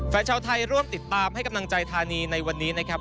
แฟนชาวไทยร่วมติดตามให้กำลังใจธานีในวันนี้นะครับ